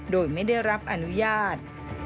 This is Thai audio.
โดยไม่ได้รับอนุญาต